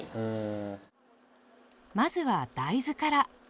まずは大豆から。